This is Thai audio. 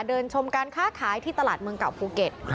ชมการค้าขายที่ตลาดเมืองเก่าภูเก็ต